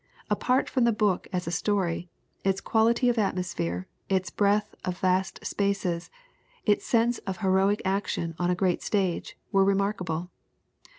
Apart from the book as a story, its quality of atmosphere, its breath of vast spaces, its sense of heroic action on a great stage, were remarkable.